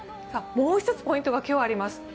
もう一つポイントが今日あります。